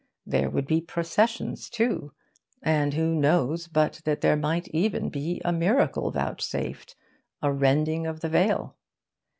There would be processions, too; and who knows but that there might even be a miracle vouchsafed, a rending of the veil?